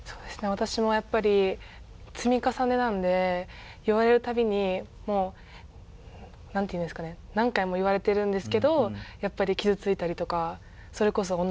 私もやっぱり積み重ねなんで言われる度にもう何て言うんですかね何回も言われてるんですけどやっぱり傷ついたりとかそれこそ同じで。